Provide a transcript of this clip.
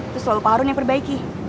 terus selalu pak harun yang perbaiki